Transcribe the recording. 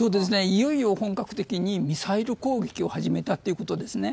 いよいよ本格的にミサイル攻撃を始めたということですね。